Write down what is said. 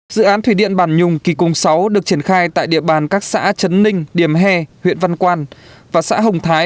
dự án thủy điện bản nhung kỳ cùng sáu được triển khai tại địa bàn các xã trấn ninh điểm hè huyện văn quan và xã hồng thái